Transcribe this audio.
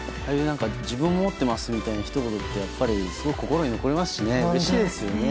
自分が持っていますという言葉はやっぱりすごく心に残りますしうれしいですよね。